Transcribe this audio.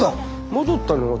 戻ったの私。